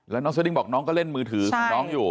แล้วน้องสดิ้งบอกน้องก็เล่นมือถือของน้องอยู่